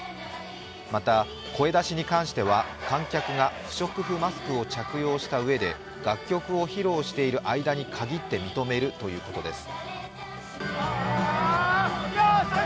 また声出しに関しては観客が不織布マスクを着用したうえで楽曲を披露している間に限って認めるということです。